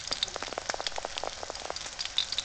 ტრიუმფალური თაღი ეყრდნობა კრონშტეინებს.